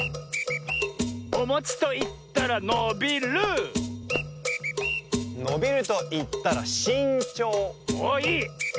おもちといったらのびるのびるといったらしんちょうおっいい。